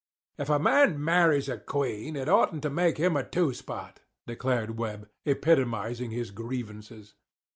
"If a man marries a queen, it oughtn't to make him a two spot," declared Webb, epitomising his grievances.